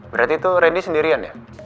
berarti itu randy sendirian ya